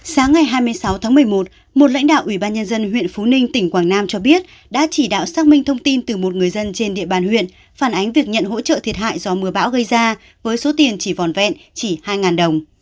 sáng ngày hai mươi sáu tháng một mươi một một lãnh đạo ủy ban nhân dân huyện phú ninh tỉnh quảng nam cho biết đã chỉ đạo xác minh thông tin từ một người dân trên địa bàn huyện phản ánh việc nhận hỗ trợ thiệt hại do mưa bão gây ra với số tiền chỉ vòn vẹn chỉ hai đồng